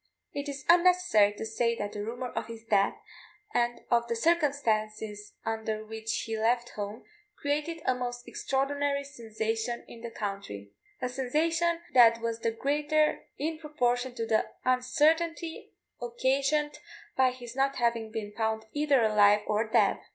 It is unnecessary to say that the rumour of his death, and of the circumstances under which he left home, created a most extraordinary sensation in the country a sensation that was the greater in proportion to the uncertainty occasioned by his not having been found either alive or dead.